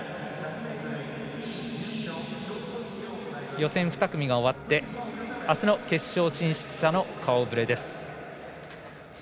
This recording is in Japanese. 予選２組が終わってあすの決勝進出者の顔ぶれです。